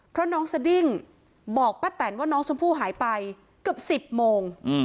เพราะน้องสดิ้งบอกป้าแตนว่าน้องชมพู่หายไปเกือบ๑๐โมง